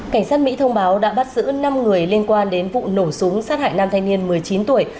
cảnh sát mỹ thông báo đã bắt giữ năm người liên quan đến vụ nổ súng sát hại nam thanh niên một mươi chín tuổi